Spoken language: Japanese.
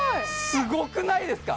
すごくないですか！